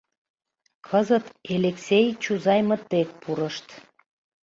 Кызыт Элексей чузаймыт дек пурышт.